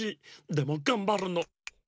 でもがんばるの。